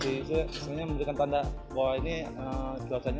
sebenarnya memberikan tanda bahwa ini cuacanya